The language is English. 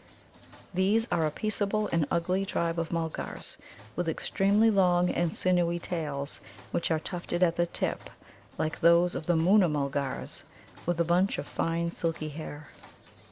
These are a peaceable and ugly tribe of Mulgars, with extremely long and sinewy tails, which are tufted at the tip, like those of the Moona mulgars, with a bunch of fine silky hair.